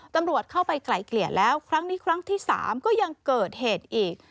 ตำรวจเข้าไปไกลเกลี่ยแล้วครั้งนี้ครั้งที่๓ก็ยังเกิดเหตุอีก